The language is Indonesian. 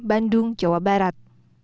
bandung jawa barat